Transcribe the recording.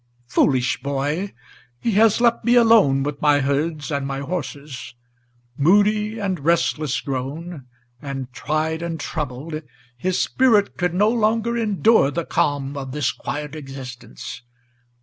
Foolish boy! he has left me alone with my herds and my horses. Moody and restless grown, and tried and troubled, his spirit Could no longer endure the calm of this quiet existence.